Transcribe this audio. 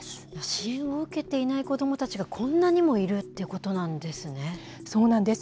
支援を受けていない子どもたちが、こんなにもいるってことなそうなんです。